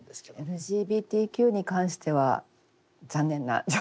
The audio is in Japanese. ＬＧＢＴＱに関しては残念な状態ですね。